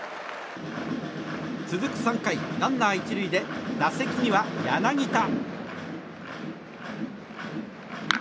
続く３回、ランナー１塁で打席には柳田。